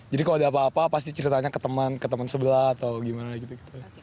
jadi kalau ada apa apa pasti ceritanya ke teman ke teman sebelah atau gimana gitu